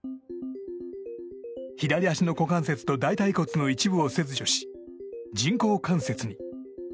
左足の股関節と大たい骨の一部を切除し、人工関節に。